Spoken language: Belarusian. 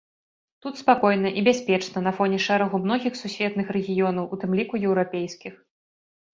Тут спакойна і бяспечна на фоне шэрагу многіх сусветных рэгіёнаў, у тым ліку еўрапейскіх.